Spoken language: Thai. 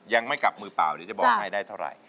ยังไม่กลับมือเปล่านี่ก็จะบอกมาได้เท่าไร